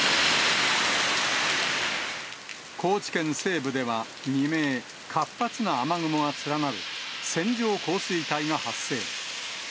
高知県西部では未明、活発な雨雲が連なる線状降水帯が発生。